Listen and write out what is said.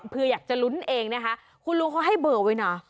เพื่ออยากจะลุ้นเองนะคะคุณลุงเขาให้เบอร์ไว้นะ